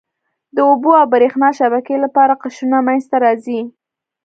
د اوبو او بریښنا شبکې لپاره قشرونه منځته راځي.